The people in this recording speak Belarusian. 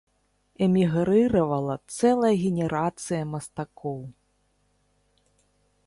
Эмігрыравала цэлая генерацыя мастакоў.